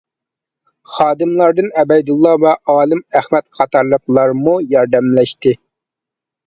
خادىملاردىن ئەبەيدۇللا ۋە ئالىم ئەخمەت قاتارلىقلارمۇ ياردەملەشتى.